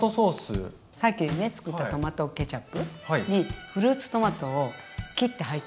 さっきねつくったトマトケチャップにフルーツトマトを切って入ってるの。